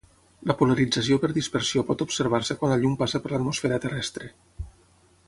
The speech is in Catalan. La polarització per dispersió pot observar-se quan la llum passa per l'Atmosfera terrestre.